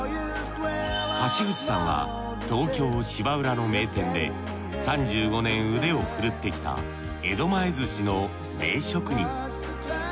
橋口さんは東京芝浦の名店で３５年腕を振るってきた江戸前寿司の名職人。